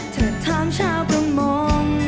เธอถามเช้ากระมง